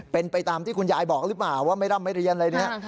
เป็นไปตามที่คุณยายบอกหรือเปล่าว่าไม่ร่ำไม่เรียนอะไรเนี่ย